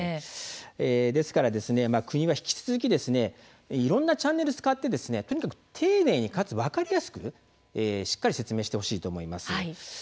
ですから国は引き続きいろんなチャンネルを使って丁寧にかつ分かりやすくしっかり説明をしてほしいと思います。